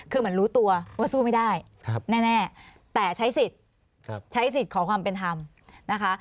คือเหมือนรู้ตัวว่าสู้ไม่ได้แน่แต่ใช้สิทธิ์ใช้สิทธิ์ขอความเป็นธรรมนะคะ